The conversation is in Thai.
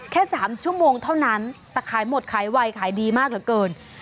แค่๓ชั่วโมงเท่านั้นแต่ขายหมดขายไวขายดีมากเหลือเกิน